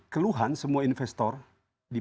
keluhan semua investor di